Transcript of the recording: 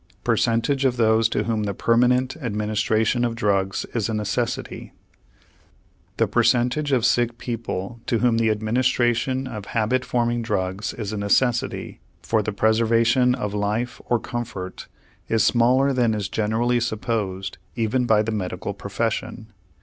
PERCENTAGE OF THOSE TO WHOM THE PERMANENT ADMINISTRATION OF DRUGS IS A NECESSITY The percentage of sick people to whom the administration of habit forming drugs is a necessity for the preservation of life or comfort is smaller than is generally supposed even by the medical profession.